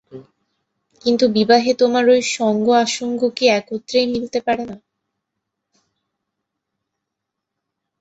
কিন্তু বিবাহে তোমার ঐ সঙ্গ-আসঙ্গ কি একত্রেই মিলতে পারে না।